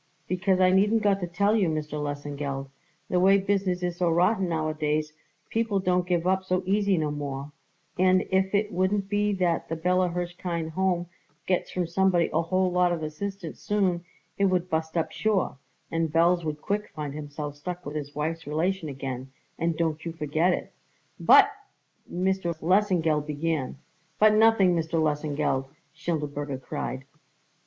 Because I needn't got to tell you, Mr. Lesengeld, the way business is so rotten nowadays people don't give up so easy no more; and if it wouldn't be that the Bella Hirshkind Home gets from somebody a whole lot of assistance soon it would bust up sure, and Belz would quick find himself stuck with his wife's relation again, and don't you forget it." "But " Lesengeld began. "But nothing, Mr. Lesengeld!" Schindelberger cried.